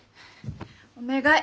お願い。